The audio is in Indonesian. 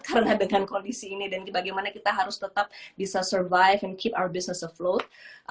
karena dengan kondisi ini dan bagaimana kita harus tetap bisa survive and keep our business afloat